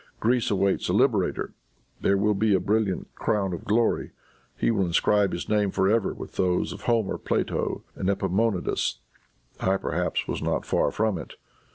Greece awaits a liberator. There will be a brilliant crown of glory. He will inscribe his name for ever with those of Homer, Plato and Epaminondas. I perhaps was not far from it.